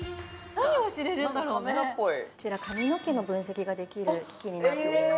何かカメラっぽいこちら髪の毛の分析ができる機器になっております